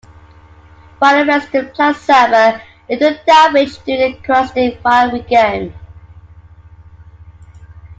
Fire-resistant plants suffer little damage during a characteristic fire regime.